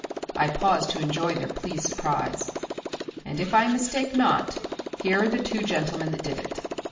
I paused to enjoy their pleased surprise. "And if I mistake not here are the two gentlemen that did it."